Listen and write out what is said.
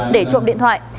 để trộm điện thoại